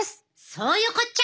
そういうこっちゃ！